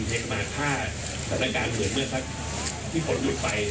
แต่ว่านั่นจะรายกำไรมาเหรอครับ